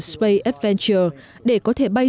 space adventure để có thể bay